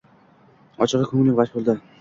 Ochigʻi koʻnglim gʻash boʻldi